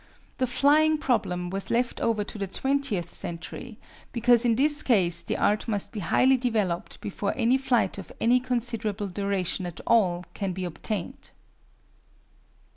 The flying problem was left over to the twentieth century, because in this case the art must be highly developed before any flight of any considerable duration at all can be obtained.